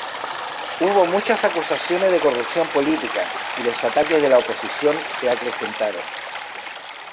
Hubo muchas acusaciones de corrupción política, y los ataques de la oposición se acrecentaron.